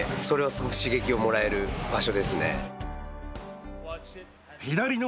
すごく刺激をもらえる場所ですね。